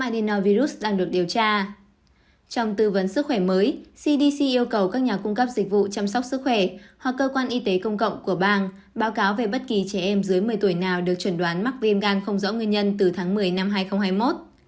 trong tư vấn sức khỏe mới cdc yêu cầu các nhà cung cấp dịch vụ chăm sóc sức khỏe hoặc cơ quan y tế công cộng của bang báo cáo về bất kỳ trẻ em dưới một mươi tuổi nào được chuẩn đoán mắc viêm gan không rõ nguyên nhân từ tháng một mươi năm hai nghìn hai mươi một